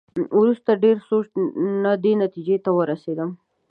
وروسته د ډېر سوچ نه دې نتېجې ته ورسېدم.